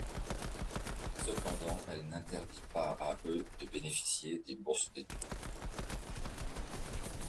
Cependant, elle n'interdit pas à eux de bénéficier des bourses d'étude.